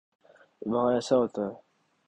وہاں ایسا ہوتا ہے۔